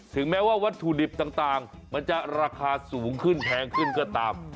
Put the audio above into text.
แม้ว่าวัตถุดิบต่างมันจะราคาสูงขึ้นแพงขึ้นก็ตาม